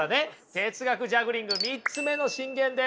哲学ジャグリング３つ目の箴言です。